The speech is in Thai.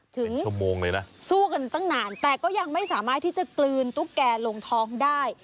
ถึงสู้กันตั้งนานแต่ก็ยังไม่สามารถที่จะกลืนตุ๊กแกลงลงท้องได้